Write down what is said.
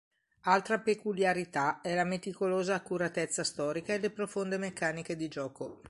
Altra peculiarità è la meticolosa accuratezza storica e le profonde meccaniche di gioco.